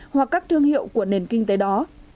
hoặc các thương hiệu của nền kinh tế đó